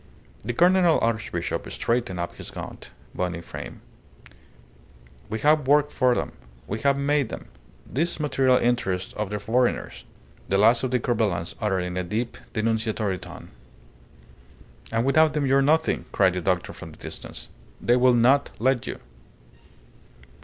The Cardinal Archbishop straightened up his gaunt, bony frame. "We have worked for them; we have made them, these material interests of the foreigners," the last of the Corbelans uttered in a deep, denunciatory tone. "And without them you are nothing," cried the doctor from the distance. "They will not let you."